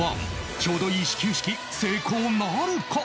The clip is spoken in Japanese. ちょうどいい始球式成功なるか？